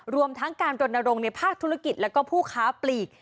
รวมทั้งการตรวจนโรงในภาคธุรกิจแล้วก็ผู้ค้าปลีก